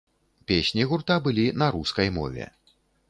Песні гурта былі на рускай мове.